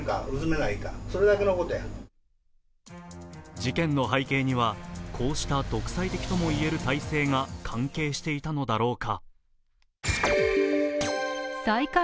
事件の背景にはこうした独裁的とも言える体制が関係していたのだろうか。